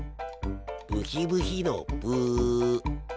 ブヒブヒのブ。